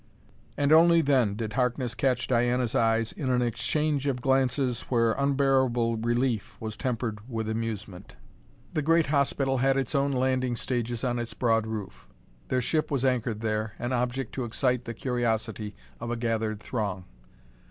And only then did Harkness catch Diana's eyes in an exchange of glances where unbearable relief was tempered with amusement. The great hospital had its own landing stages on its broad roof. Their ship was anchored there, an object to excite the curiosity of a gathering throng.